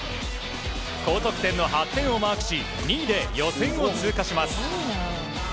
高得点の８点をマークし２位で予選を通過します。